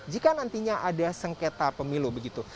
jika nantinya ada sengketa pemilu begitu